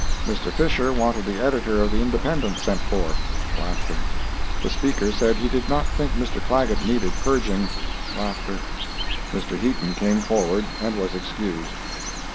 Mr. Fisher wanted the editor of the Independent sent for. The Speaker said he did not think Mr. Clagett needed purging. Mr. Heaton came forward and was excused.